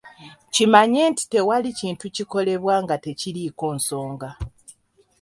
Kimanye nti tewali kintu kikolebwa nga tekiriiko nsonga.